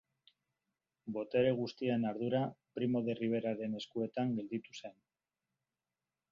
Botere guztien ardura Primo de Riveraren eskuetan gelditu zen.